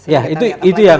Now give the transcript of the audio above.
ya itu yang